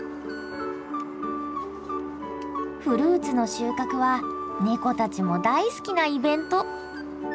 フルーツの収穫はネコたちも大好きなイベント。